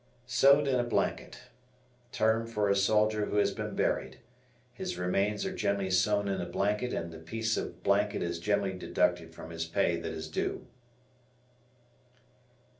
"Sewed in a blanket." Term for a soldier who has been buried. His remains are generally sewn in a blanket and the piece of blanket is generally deducted from his pay that is due.